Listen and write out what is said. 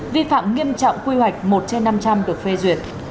vi phạm nghiêm trọng quy hoạch một trên năm trăm linh được phê duyệt